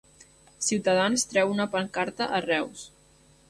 Ciutadans treu una pancarta a Reus